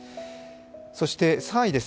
そして３位です。